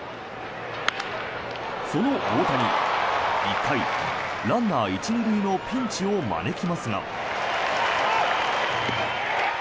その大谷、１回ランナー１・２塁のピンチを招きますが。